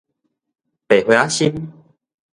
白花仔心